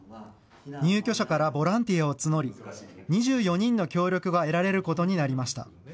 入居者からボランティアを募り２４人の協力が得られることになりました。